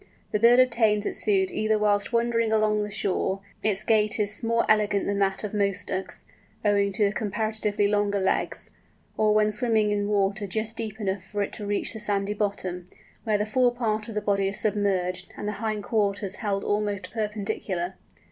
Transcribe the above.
The bird obtains its food either whilst wandering along the shore—its gait is more elegant than that of most Ducks, owing to the comparatively longer legs—or when swimming in water just deep enough for it to reach the sandy bottom, when the fore part of the body is submerged, and the hind quarters held almost perpendicular.